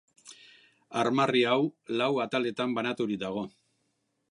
Armarri hau lau ataletan banaturik dago.